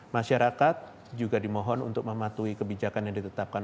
masyarakat juga dimohon untuk mematuhi kebijakan yang ditetapkan